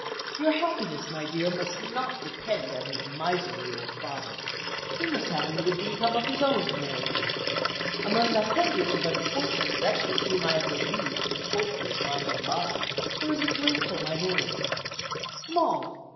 Your happiness, my dear, must not depend on his miserly old father. He must have a little income of his own to marry on. Among the hundreds of unfortunate wretches whom I have relieved from torture of mind and body, there is a grateful minority. Small!